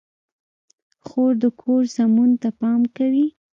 خور د کور سمون ته پام کوي.